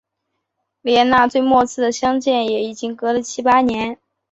连那最末次的相见也已经隔了七八年